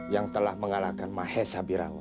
yang telah mengalahkan mahesa birawa